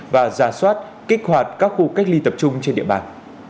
và ra soát kích hoạt các khu cách ly tập trung trên địa bàn